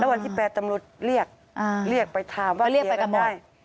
แล้ววันที่แปลว่าตำรวจเรียกเรียกไปถามว่าเคลียร์กันได้